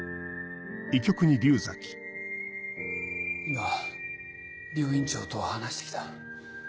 今病院長と話して来た。